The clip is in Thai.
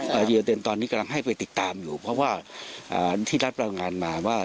บทกิโยตินตอนนี้กำลังให้ไปติดตามอยู่เพราะว่าที่รัฐบรางงานมา